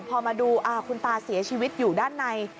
พอมาดูคุณตาเสียชีวิตอยู่ด้านใน